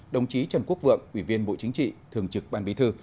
đồng chí trần quốc vượng ủy viên bộ chính trị thường trực ban bí thư